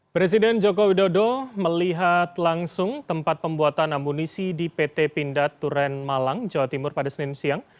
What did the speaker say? presiden joko widodo melihat langsung tempat pembuatan amunisi di pt pindad turen malang jawa timur pada senin siang